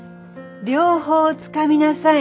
両方つかみなさい。